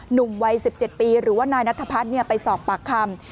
หนุ่มวัย๑๗ปีหรือว่านายนัทพัฒน์ไปสอบปากคำ